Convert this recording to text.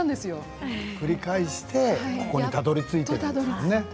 何度も繰り返して、ここにたどりついたんですね。